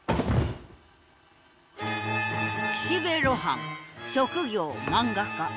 岸辺露伴職業漫画家。